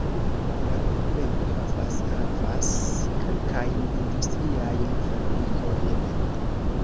La urbego havas havas kelkajn industriajn fabrikojn.